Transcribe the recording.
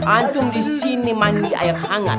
antum di sini mandi air hangat